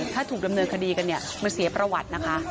ถ้าถูกดำเนินคดีกันเนี่ยมันเสียประวัตินะคะ